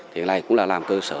thì cái này cũng là làm cơ sở